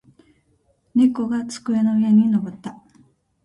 猫が机の上に乗った。